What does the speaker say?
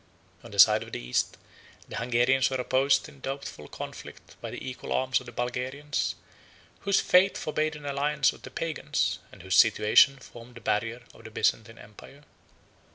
On the side of the East, the Hungarians were opposed in doubtful conflict by the equal arms of the Bulgarians, whose faith forbade an alliance with the Pagans, and whose situation formed the barrier of the Byzantine empire.